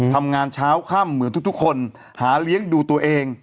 เช้าค่ำเหมือนทุกคนหาเลี้ยงดูตัวเอง